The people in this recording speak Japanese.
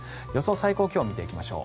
最高気温見ていきましょう。